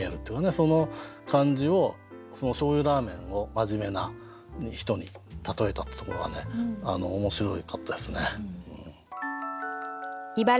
その感じを醤油ラーメンを真面目な人に例えたってところがね面白かったですね。